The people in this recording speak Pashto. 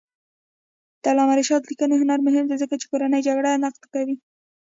د علامه رشاد لیکنی هنر مهم دی ځکه چې کورنۍ جګړې نقد کوي.